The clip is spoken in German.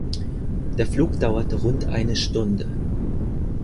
Der Flug dauerte rund eine Stunde.